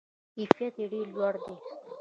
کیفیت یې ډیر لوړ دی.